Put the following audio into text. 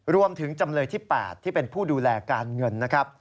จำเลยที่๘ที่เป็นผู้ดูแลการเงินนะครับ